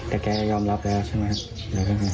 แต่แกยอมรับแล้วใช่ไหมหรือเป็นไง